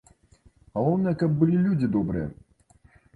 Галоўнае, каб былі людзі добрыя.